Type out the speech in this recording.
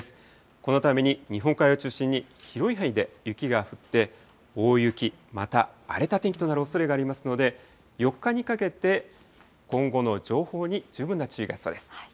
このために日本海側を中心に、広い範囲で雪が降って、大雪また荒れた天気となるおそれがありますので、４日にかけて、今後の情報に十分な注意が必要です。